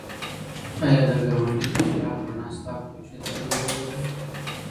ایا د ګاونډي د څراغ رڼا ستا کوټې ته هم ننوځي؟